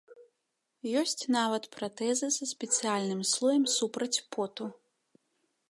Ёсць нават пратэзы са спецыяльным слоем супраць поту.